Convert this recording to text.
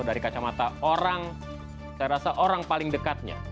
dari kacamata orang saya rasa orang paling dekatnya